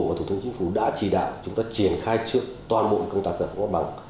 và thủ tướng chính phủ đã chỉ đạo chúng ta triển khai trước toàn bộ công tác giải phóng hoạt bằng